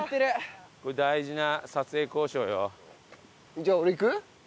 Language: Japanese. じゃあ俺行く？